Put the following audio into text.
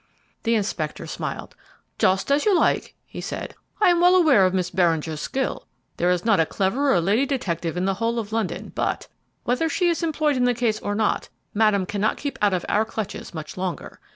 The inspector smiled. "Just as you like," he said. "I am well aware of Miss Beringer's skill. There is not a cleverer lady detective in the whole of London; but, whether she is employed in the case or not, Madame cannot keep out of our clutches much longer.